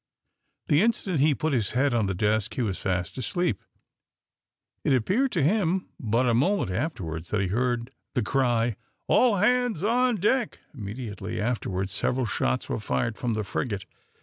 The instant he put his head on the desk he was fast asleep. It appeared to him but a moment afterwards that he heard the cry, "All hands on deck." Immediately afterwards several shots were fired from the frigate.